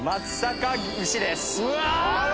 うわ！